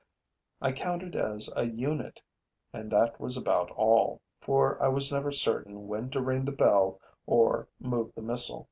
I counted as a unit; and that was about all, for I was never certain when to ring the bell or move the missal.